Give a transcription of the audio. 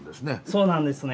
そうなんですね